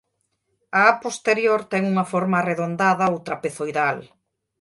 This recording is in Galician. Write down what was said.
A á posterior ten unha forma arredondada ou trapezoidal.